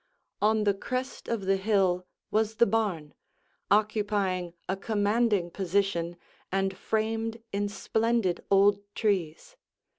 On the crest of the hill was the barn, occupying a commanding position and framed in splendid old trees.